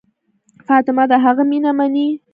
فاطمه د هغه مینه مني.